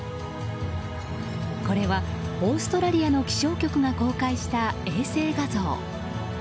これは、オーストラリアの気象局が公開した衛星画像。